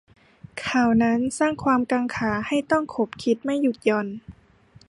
ข่าวนั้นสร้างความกังขาให้ต้องขบคิดไม่หยุดหย่อน